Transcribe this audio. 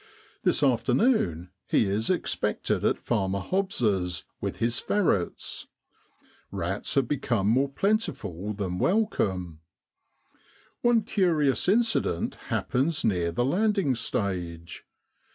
This afternoon he is expected at Farmer Hobbs's with his ferrets ; rats have become more plentiful than welcome. One curious incident happens near the landing stage.